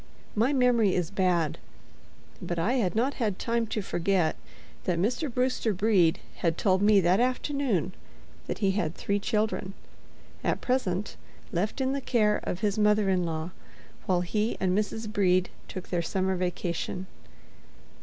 My memory is bad; but I had not had time to forget that Mr. Brewster Brede had told me that afternoon that he had three children, at present left in the care of his mother in law, while he and Mrs. Brede took their summer vacation.